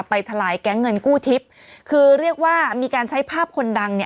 ทลายแก๊งเงินกู้ทิพย์คือเรียกว่ามีการใช้ภาพคนดังเนี่ย